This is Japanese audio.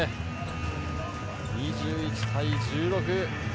２１対１６。